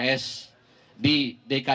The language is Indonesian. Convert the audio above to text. keluarga besar besar pks